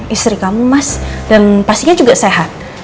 istri kamu mas dan pastinya juga sehat